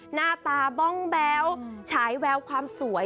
หน้าตาบ้องแบ๊วฉายแววความสวย